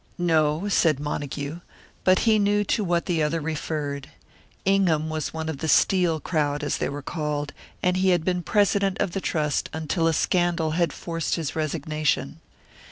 "No," said Montague, but he knew to what the other referred. Ingham was one of the "Steel crowd," as they were called, and he had been president of the Trust until a scandal had forced his resignation.